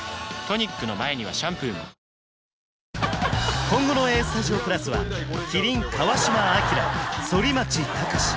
トニックの前にはシャンプーも今後の「ＡＳＴＵＤＩＯ＋」は麒麟川島明反町隆史